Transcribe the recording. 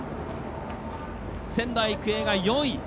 仙台育英が４位。